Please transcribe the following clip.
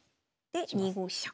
で２五飛車。